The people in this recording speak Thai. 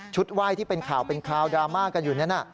ไหว้ที่เป็นข่าวเป็นคราวดราม่ากันอยู่นั้น